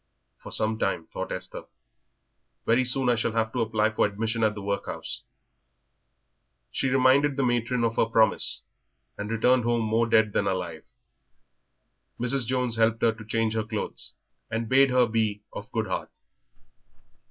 "For some time," thought Esther; "very soon I shall have to apply for admission at the workhouse." She reminded the matron of her promise, and returned home more dead than alive. Mrs. Jones helped her to change her clothes, and bade her be of good heart.